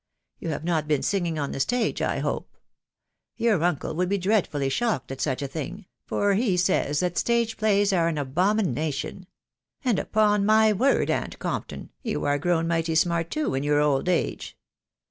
.... You have not been singing on the stage, I hope ?.... Your uncle would be dreadfully shocked at such a thing ; for he says that stage plays are an abomination •••; And upon my word, aunt Compton, you are grown mighty smart too in your old age.